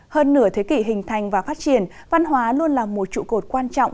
hơn nửa thế kỷ hình thành và phát triển văn hóa luôn là một trụ cột quan trọng